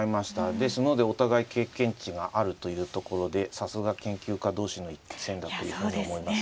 ですのでお互い経験値があるというところでさすが研究家同士の一戦だというふうに思いますね。